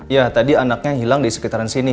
ya tadi anaknya hilang di sekitaran sini